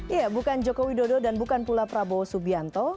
iya bukan joko widodo dan bukan pula prabowo subianto